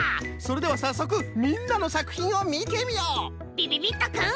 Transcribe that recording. びびびっとくん。